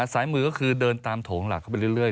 ซ้ายมือก็คือเดินตามโถงหลักเข้าไปเรื่อย